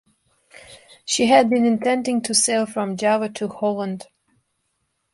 She had been intending to sail from Java to Holland.